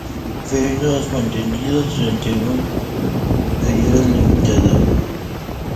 Feudos mantenidos durante un período limitado.